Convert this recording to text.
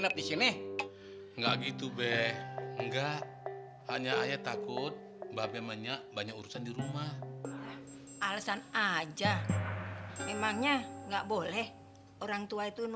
enggak gitu enggak hanya takut banyak urusan di rumah alasan aja emangnya nggak boleh orang tua